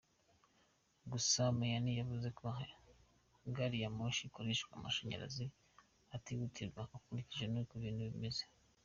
Gusa Maina yavuze ko gari ya moshi ikoresha amashanyarazi itihutirwa, akurikije uko ibintu bimeze.